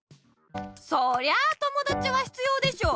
そりゃあともだちは必要でしょ！